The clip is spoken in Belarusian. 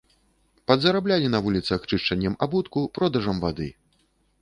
Падзараблялі на вуліцах чышчаннем абутку, продажам вады.